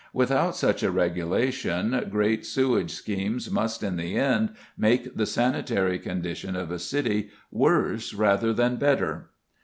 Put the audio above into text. Without such a regulation great sewage schemes must in the end make the sanitary condition of a city worse rather than better.